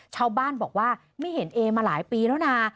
ชาวบ้านบอกว่าไม่เห็นเอมาหลายปีแล้วนะ